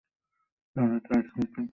কেননা তারা সম্পদ ব্যয় করে।